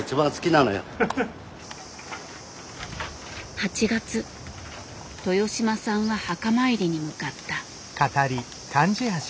８月豊島さんは墓参りに向かった。